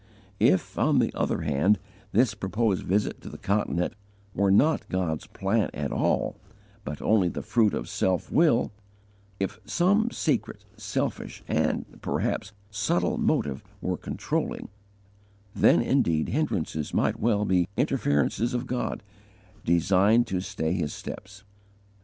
If, on the other hand, this proposed visit to the Continent were not God's plan at all, but only the fruit of self will; if some secret, selfish, and perhaps subtle motive were controlling, then indeed hindrances might well be interferences of God, designed to stay his steps.